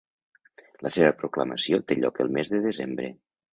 La seva proclamació té lloc el mes de desembre.